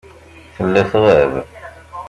Tella tɣab.